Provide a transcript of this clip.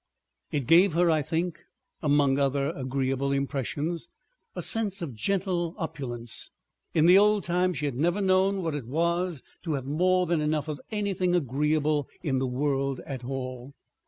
It gave her, I think, among other agreeable impressions, a sense of gentle opulence. In the old time she had never known what it was to have more than enough of anything agreeable in the world at all.